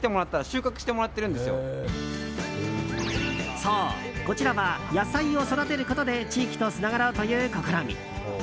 そう、こちらは野菜を育てることで地域とつながろうという試み。